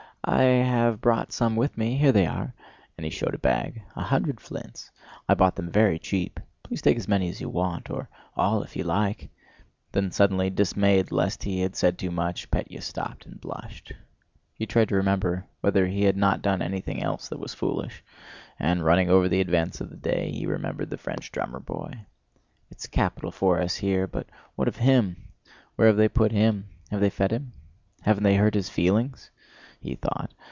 I have brought some with me, here they are"—and he showed a bag—"a hundred flints. I bought them very cheap. Please take as many as you want, or all if you like...." Then suddenly, dismayed lest he had said too much, Pétya stopped and blushed. He tried to remember whether he had not done anything else that was foolish. And running over the events of the day he remembered the French drummer boy. "It's capital for us here, but what of him? Where have they put him? Have they fed him? Haven't they hurt his feelings?" he thought.